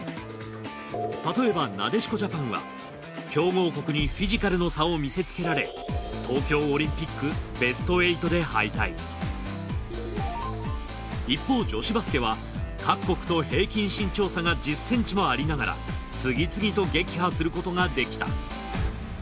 たとえばなでしこジャパンは強豪国にフィジカルの差を見せつけられ東京オリンピックベスト８で敗退一方女子バスケは各国と平均身長差が１０ｃｍもありながら次々と撃破することができた。